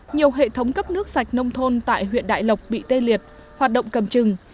nhiều hệ thống cấp nước sạch nông thôn tại huyện đại lộc bị tê liệt hoạt động cầm chừng